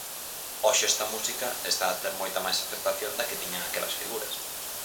Hoxe esta música está a ter moita máis aceptación da que tiñan aquelas figuras.